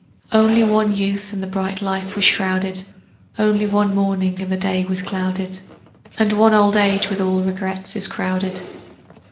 Only one youth, and the bright life was shrouded; Only one morning, and the day was clouded; And one old age with all regrets is crowded.